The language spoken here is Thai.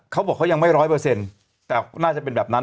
เขาบอกเขายังไม่ร้อยเปอร์เซ็นต์แต่น่าจะเป็นแบบนั้น